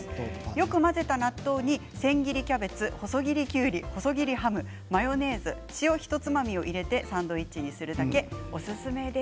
よく混ぜた納豆に千切りキャベツ細切りきゅうりに細切りハム、マヨネーズ塩ひとつまみ入れて挟むだけです。